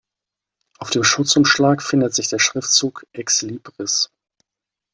Auf dem Schutzumschlag findet sich der Schriftzug "ex libris".